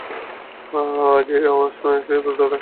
যেই এ আওয়াজ শুনে সেই দৌড়ে আসতে থাকে।